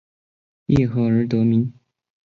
叶赫而得名。